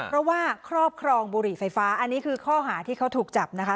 เพราะว่าครอบครองบุหรี่ไฟฟ้าอันนี้คือข้อหาที่เขาถูกจับนะคะ